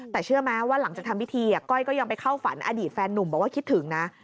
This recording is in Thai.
แต่เชื่อไหมว่าหลังจากทำพิธีก้อยก็ยังไปเข้าฝันอดีตแฟนนุ่มบอกว่าคิดถึงนะ